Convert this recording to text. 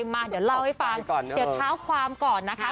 มาเดี๋ยวเล่าให้ฟังเดี๋ยวเท้าความก่อนนะคะ